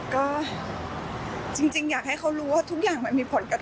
ก็จริงอยากให้เขารู้ว่าทุกอย่างมันมีผลกระทบ